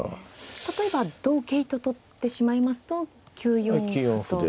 例えば同桂と取ってしまいますと９四歩と。